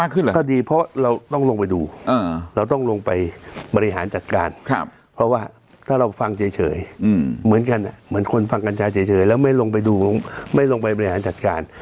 ก็ดีเพราะเราต้องลงไปดูเราต้องลงไปบริหารจัดการเพราะว่าถ้าเราฟังเฉยเหมือนกันเหมือนคนฟังกัญชาเฉยแล้วไม่ลงไปดูไม่ลงไปบริหารจัดการ